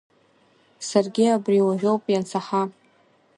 Саргьы абри уажәоуп иансаҳа.